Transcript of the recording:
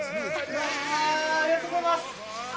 ありがとうございます。